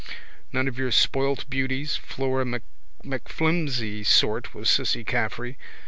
None of your spoilt beauties, Flora MacFlimsy sort, was Cissy Caffrey.